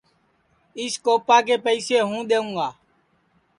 اِس کوپا کے پئسے ہوں دؔیوں گا